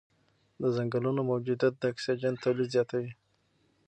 د ځنګلونو موجودیت د اکسیجن تولید زیاتوي.